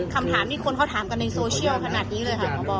คำถามนี้คนเขาถามกันในโซเชียลขนาดนี้เลยค่ะหมอบอล